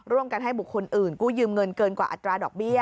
กันให้บุคคลอื่นกู้ยืมเงินเกินกว่าอัตราดอกเบี้ย